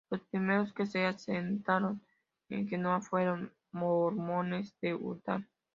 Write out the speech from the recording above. Los primeros que se asentaron en Genoa fueron mormones de Utah.